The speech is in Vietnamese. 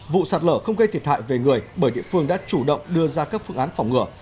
vụ sạt lở không gây thiệt hại về người bởi địa phương đã chủ động đưa ra các phương án phỏng ngừa